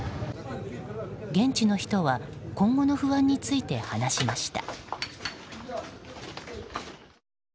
現地の人は今後の不安について話しました。